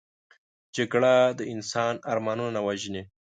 جګړه د انسان ارمانونه وژني